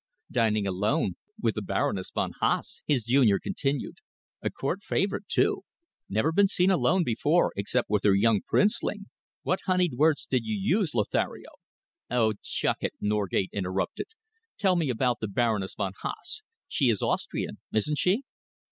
"Dining alone with the Baroness von Haase!" his junior continued. "A Court favourite, too! Never been seen alone before except with her young princeling. What honeyed words did you use, Lothario " "Oh, chuck it!" Norgate interrupted. "Tell me about the Baroness von Haase! She is Austrian, isn't she?"